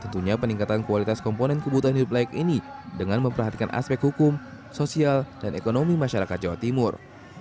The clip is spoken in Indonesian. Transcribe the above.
tentunya peningkatan kualitas komponen kebutuhan hidup layak ini dengan memperhatikan aspek hukum sosial dan ekonomi masyarakat jawa timur